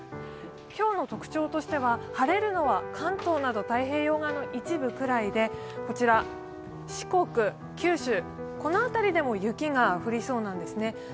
今日の特徴としては晴れるのは関東など太平洋側の一部ぐらいで四国、九州の辺りでも雪が降りそうなんですね。